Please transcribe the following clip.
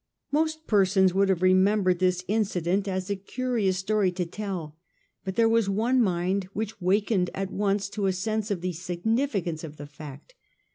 Most persons would have remembered this in cident as a curious story to tell ; hut there was one mind which wakened up at once to a sense of the significance of the fact.